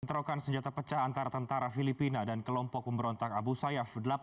bentrokan senjata pecah antara tentara filipina dan kelompok pemberontak abu sayyaf